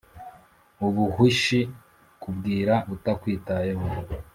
ubuhwishi, kubwira utakwitayeho